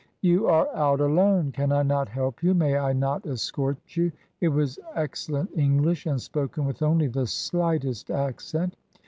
" You are out alone ! Can I not help you ? May I not escort you ?" It was excellent English, and spoken with only the slightest accent.